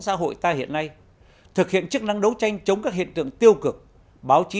xã hội ta hiện nay thực hiện chức năng đấu tranh chống các hiện tượng tiêu cực báo chí